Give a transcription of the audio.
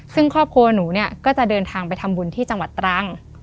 ซึ่งครอบครัวหนูเนี่ยก็จะเดินทางไปทำบุญที่จังหวัดตรัง